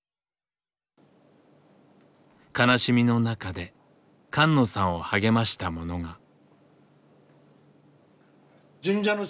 悲しみの中で菅野さんを励ましたものが。